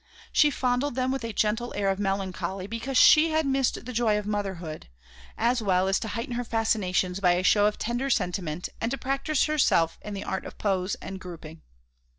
She fondled them with a gentle air of melancholy, because she had missed the joy of motherhood, as well as to heighten her fascinations by a show of tender sentiment and to practise herself in the art of pose and grouping.